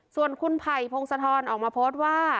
ส่วนคุณไผ่พงศธรออกมาโพสต์ว่า